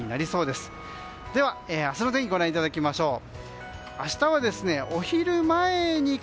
では、明日の天気をご覧いただきましょう。